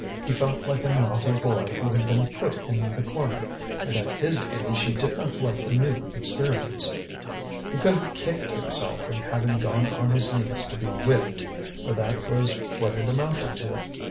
He felt like a naughty boy who had been put in the corner, and at his age he did not like the new experience. He could have kicked himself for having gone on his knees to be whipped, for that was what it amounted to.